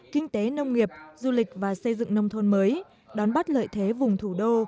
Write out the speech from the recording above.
kinh tế nông nghiệp du lịch và xây dựng nông thôn mới đón bắt lợi thế vùng thủ đô